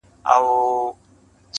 د فرعون په سر کي تل یوه سودا وه -